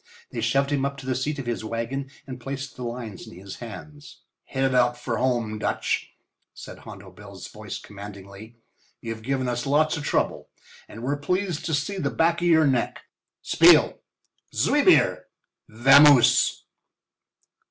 They shoved him up to the seat of his wagon and placed the lines in his hands. "Hit it out for home, Dutch," said Hondo Bill's voice commandingly. "You've given us lots of trouble and we're pleased to see the back of your neck. Spiel! Zwei bier! Vamoose!"